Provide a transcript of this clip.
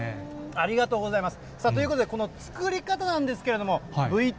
ありがとうございます。